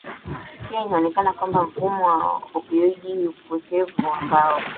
Pia inaonekana kwamba mfumo wa opioidi μpokevu ambayo